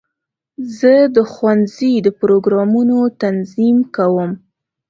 زه د ښوونځي د پروګرامونو تنظیم کوم.